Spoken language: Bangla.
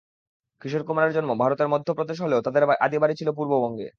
কিশোর কুমারের জন্ম ভারতের মধ্যপ্রদেশে হলেও তাদের আদি বাড়ি ছিল পূর্ববঙ্গে।